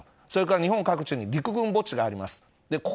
日本各地に陸軍墓地があります。